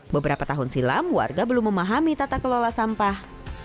beberapa tahun silam warga belum memahami tata kelola sampah